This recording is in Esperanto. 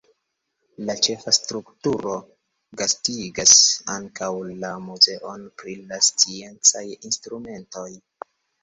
La ĉefa strukturo gastigas ankaŭ la muzeon pri la sciencaj instrumentoj.